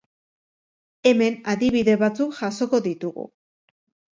Hemen adibide batzuk jasoko ditugu.